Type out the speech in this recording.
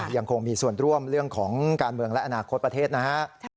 ยังคงมีส่วนร่วมเรื่องของการเมืองและอนาคตประเทศนะฮะ